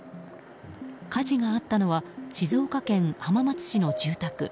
火事があったのは静岡県浜松市の住宅。